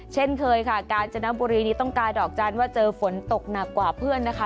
เช่นเคยค่ะกาญจนบุรีนี้ต้องการดอกจันทร์ว่าเจอฝนตกหนักกว่าเพื่อนนะคะ